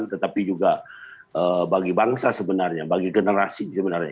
tetapi juga bagi bangsa sebenarnya bagi generasi sebenarnya